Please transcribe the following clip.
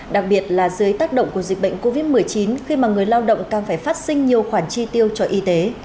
đặc biệt là dưới tác động của dịch bệnh covid một mươi chín khi mà người lao động càng phải phát sinh nhiều khoản chi tiêu cho y tế